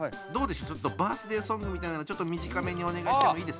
ちょっとバースデーソングみたいなのちょっと短めにお願いしてもいいですか？